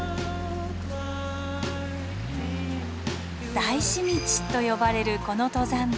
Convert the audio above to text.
大師道と呼ばれるこの登山道。